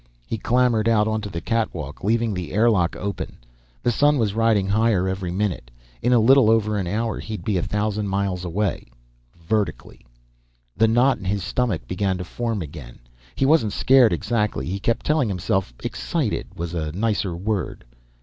He clambered out onto the catwalk, leaving the air lock open. The sun was riding higher every minute. In a little over an hour, he'd be a thousand miles away vertically. The knot in his stomach began to form again. He wasn't scared, exactly; he kept telling himself "excited" was a nicer word.